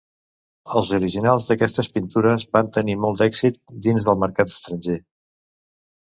Els originals d'aquestes pintures van tenir molt d'èxit dins del mercat estranger.